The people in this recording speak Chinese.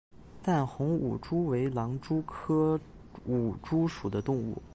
淡红舞蛛为狼蛛科舞蛛属的动物。